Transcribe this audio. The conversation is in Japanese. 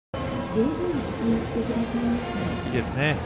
いいですね。